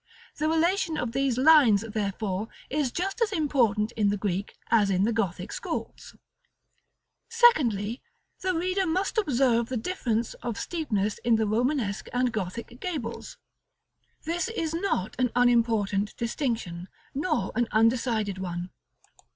The relation of these lines, therefore, is just as important in the Greek as in the Gothic schools. [Illustration: Fig. XIII.] § XCI. Secondly, the reader must observe the difference of steepness in the Romanesque and Gothic gables. This is not an unimportant distinction, nor an undecided one.